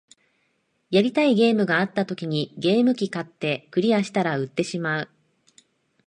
やりたいゲームがあった時にゲーム機買って、クリアしたら売ってしまう